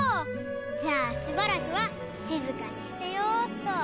じゃあしばらくはしずかにしてようっと。